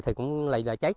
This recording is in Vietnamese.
thì cũng lại là chết